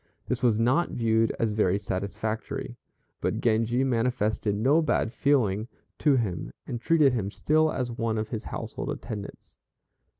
This was not viewed as very satisfactory; but Genji manifested no bad feeling to him, and treated him still as one of his household attendants.